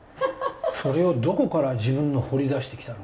それをどこから自分の掘り出してきたの？